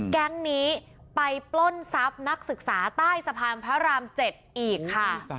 แก๊งนี้ไปปล้นทรัพย์นักศึกษาใต้สะพานพระราม๗อีกค่ะ